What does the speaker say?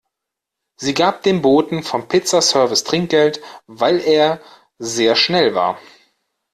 Sie gab dem Boten vom Pizza-Service Trinkgeld, weil er sehr schnell war.